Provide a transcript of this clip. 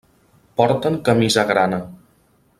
Porten camisa grana.